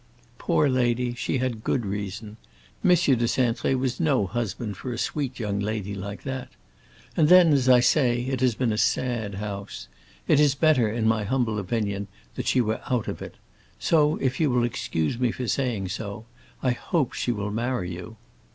"Poor lady, she had good reason. M. de Cintré was no husband for a sweet young lady like that. And then, as I say, it has been a sad house. It is better, in my humble opinion, that she were out of it. So, if you will excuse me for saying so, I hope she will marry you."